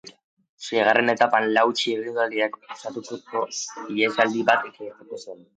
Seigarren etapan lau txirrindularik osatutako ihesaldi bat gertatu zen.